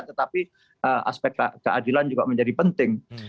tetapi aspek keadilan juga menjadi penting